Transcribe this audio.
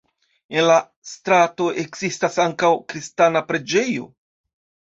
En la strato ekzistas ankaŭ kristana preĝejo.